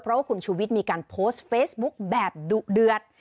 เพราะว่าคุณชูวิทย์มีการโพสต์เฟซบุ๊คแบบดุเดือด